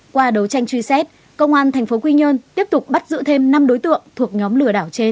qua đấu tranh truy xét công an tp quy nhơn tiếp tục bắt giữ thêm năm đối tượng thuộc nhóm lừa đảo trên